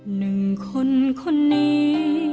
หนึ่งคนคนนี้